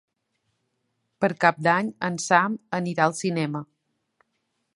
Per Cap d'Any en Sam anirà al cinema.